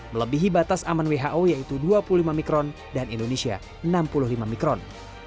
melebihi batas aman who yaitu dua puluh lima mikron dan indonesia enam puluh lima mikron